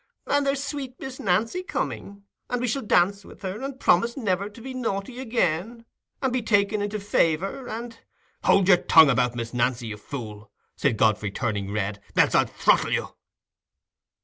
"And there's sweet Miss Nancy coming; and we shall dance with her, and promise never to be naughty again, and be taken into favour, and—" "Hold your tongue about Miss Nancy, you fool," said Godfrey, turning red, "else I'll throttle you."